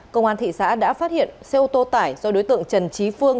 công an thị xã đã phát hiện xe ô tô tải do đối tượng trần trí phương